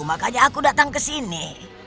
makanya aku datang kesini